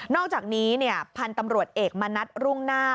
อกจากนี้พันธุ์ตำรวจเอกมณัฐรุ่งหน้า